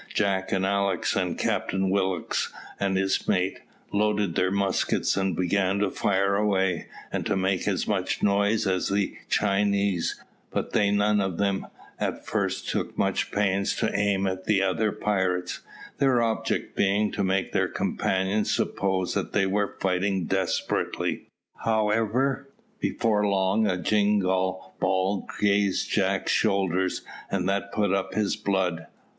Jack and Alick, and Captain Willock and his mate, loaded their muskets and began to fire away, and to make as much noise as the Chinese, but they none of them at first took much pains to aim at the other pirates, their object being to make their companions suppose that they were fighting desperately. However, before long a jingall ball grazed Jack's shoulder, and that put up his blood.